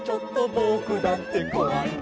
「ぼくだってこわいな」